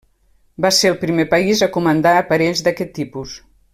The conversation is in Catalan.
Va ser el primer país a comandar aparells d'aquest tipus.